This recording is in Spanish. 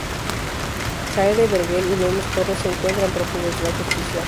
Saade Vergel y Lemus Torres se encuentran prófugos de la justicia.